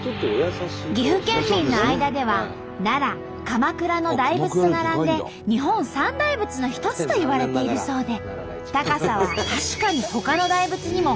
岐阜県民の間では奈良鎌倉の大仏と並んで日本三大仏の一つといわれているそうで高さは確かにほかの大仏にも引けを取りません！